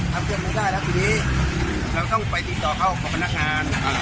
เพื่อนไม่ได้แล้วทีนี้เราต้องไปติดต่อเข้าของพนักงาน